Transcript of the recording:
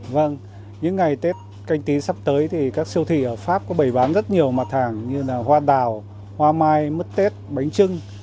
vâng những ngày tết canh tí sắp tới thì các siêu thị ở pháp có bày bán rất nhiều mặt hàng như là hoa đào hoa mai mứt tết bánh trưng